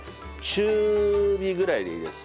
中火ぐらいでいいです。